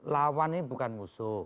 lawan ini bukan musuh